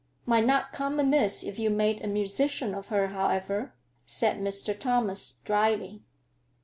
"Might not come amiss if you made a musician of her, however," said Mr. Thomas dryly.